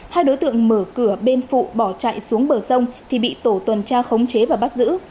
hai đối tượng mở cửa bên phụ bỏ chạy xuống bờ sông thì bị tổ tuần tra khống chế và bắt giữ